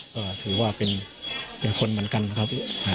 ก็ถือว่าเป็นคนเหมือนกันนะครับพี่